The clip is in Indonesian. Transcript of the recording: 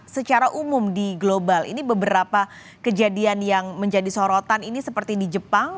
secara umum di global ini beberapa kejadian yang menjadi sorotan ini seperti di jepang